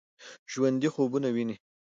ژوندي خوبونه ويني